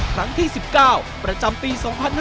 ครั้งที่๑๙ประจำปี๒๕๕๙